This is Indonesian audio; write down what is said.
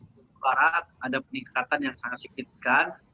jawa barat ada peningkatan yang sangat signifikan